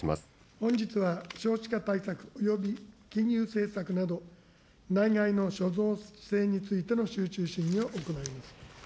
本日は少子化対策および金融政策など、内外の諸情勢についての集中審議を行います。